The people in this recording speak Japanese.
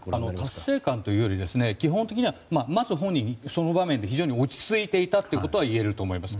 達成感というよりまず本人はその場面で非常に落ち着いていたということがいえると思います。